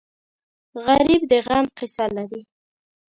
غریب د غم قصه لري